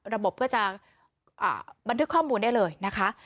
ระบบก็จะบันทึกข้อมูลได้เลยนะคะ